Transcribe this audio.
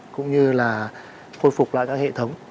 cũng như là khôi phục lại các hệ thống